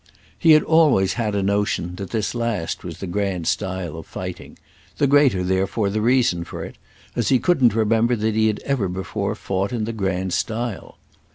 He had always had a notion that this last was the grand style of fighting; the greater therefore the reason for it, as he couldn't remember that he had ever before fought in the grand style.